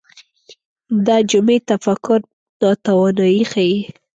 دا جمعي تفکر ناتواني ښيي